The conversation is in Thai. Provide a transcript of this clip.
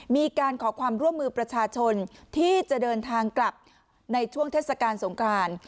มีการขอความร่วมมือประชาชนที่จะเดินทางกลับในช่วงเทศกาลสงคราน